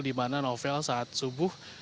di mana novel saat subuh